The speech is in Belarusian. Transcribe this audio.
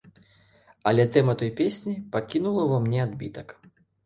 Але тэма той песні пакінула ўва мне адбітак.